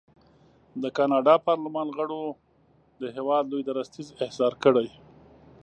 د کاناډا پارلمان غړو د هېواد لوی درستیز احضار کړی.